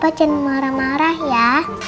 papa jangan marah marah ya